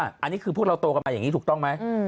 อันนี้คือพวกเราโตกันมาอย่างนี้ถูกต้องไหม